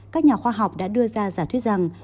các nhà khoa học đã đưa ra giả thuyết rằng